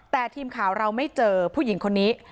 แต่ทีมข่าวเราไม่เจอผู้หญิงคนนี้